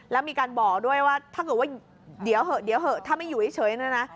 แล้วมีการบอกด้วยว่าเดี๋ยวเถอะถ้าไม่อยู่เฉยนี่นะ